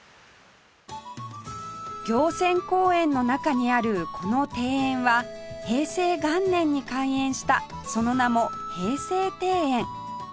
行船公園の中にあるこの庭園は平成元年に開園したその名も平成庭園